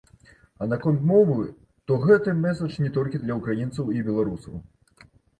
А наконт мовы, то гэты мэсадж не толькі для ўкраінцаў і беларусаў!